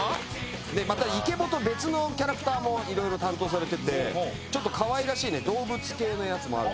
またイケボと別のキャラクターも色々担当されててちょっとかわいらしいね動物系のやつもあるんですよ。